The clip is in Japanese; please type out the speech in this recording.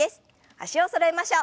脚をそろえましょう。